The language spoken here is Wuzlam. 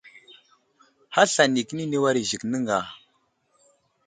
Hasla nikəni ni war i Zik nəŋga.